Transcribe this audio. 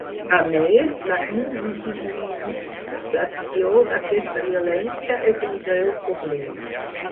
A més, la invisibilització d’aquesta violència és un greu problema.